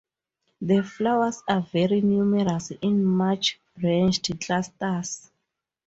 The flowers are very numerous, in much-branched clusters.